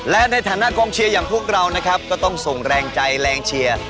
และในฐานะกองเชียร์อย่างพวกเรานะครับก็ต้องส่งแรงใจแรงเชียร์